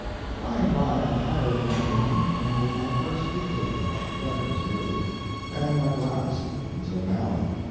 By and by I hired a young woman, and did my first dictating (letters, merely), and my last until now.